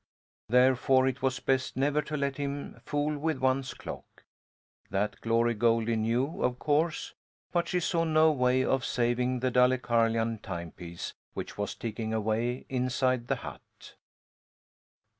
Therefore it was best never to let him fool with one's clock. That Glory Goldie knew, of course, but she saw no way of saving the Dalecarlian timepiece, which was ticking away inside the hut.